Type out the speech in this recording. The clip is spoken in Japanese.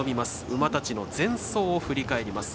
馬たちの前走を振り返ります。